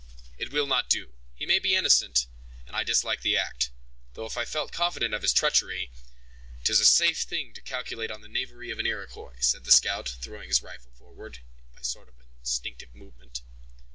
"It will not do. He may be innocent, and I dislike the act. Though, if I felt confident of his treachery—" "'Tis a safe thing to calculate on the knavery of an Iroquois," said the scout, throwing his rifle forward, by a sort of instinctive movement.